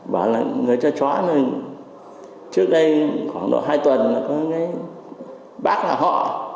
bảo là người cho chó nhà mình trước đây khoảng hai tuần là có cái bác là họ